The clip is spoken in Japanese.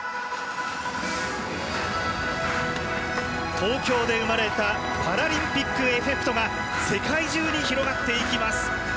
東京で生まれた「パラリンピック・エフェクト」が世界中に広がっていきます！